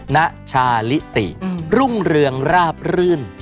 ณชาลิติรุ่งเรืองราบรื่น